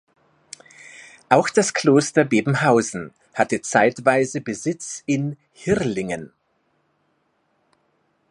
Auch das Kloster Bebenhausen hatte zeitweise Besitz in Hirrlingen.